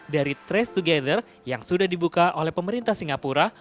dari trace together yang sudah dibuka oleh pemerintah singapura